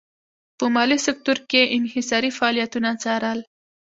په مالي سکتور کې یې انحصاري فعالیتونه څارل.